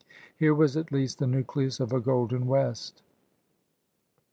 Here was at least the nucleus of a Golden West.